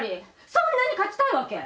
そんなに勝ちたいわけ？」